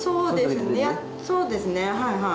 そうですねはいはい。